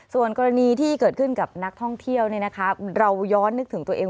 ส่วนกรณีที่เกิดขึ้นกับนักท่องเที่ยวเราย้อนนึกถึงตัวเอง